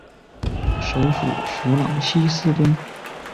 首府弗朗西斯敦。